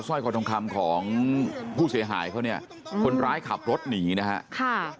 ร้อยคอทองคำของผู้เสียหายเขาเนี่ยคนร้ายขับรถหนีนะฮะค่ะ